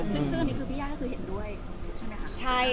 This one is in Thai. ซึ่งอันนี้คือพี่ย่าก็คือเห็นด้วยใช่ไหมคะ